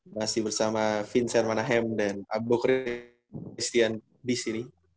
masih bersama vincent manahem dan abbo christian di sini